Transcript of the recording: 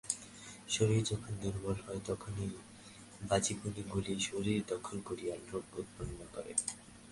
শরীর যখন দুর্বল হয়, তখনই বীজাণুগুলি শরীর দখল করিয়া রোগ উৎপন্ন করে।